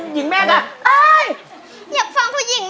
ฮ่า